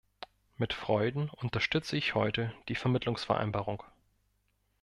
Mit Freuden unterstütze ich heute die Vermittlungsvereinbarung.